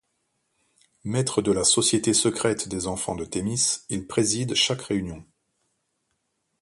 Maitre de la société secrète des enfants de Thémis, il préside chaque réunion.